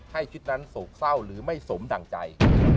ให้ชุดนั้นโศกเศร้าหรือไม่สมดั่งใจ